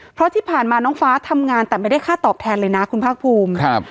เพราะที่ผ่านมาน้องฟ้าทำงานแต่ไม่ได้ค่าตอบแทนเลยนะคุณภาคภูมิครับ